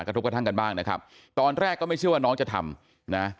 กระทบกระทั่งกันบ้างนะครับตอนแรกก็ไม่เชื่อว่าน้องจะทำนะ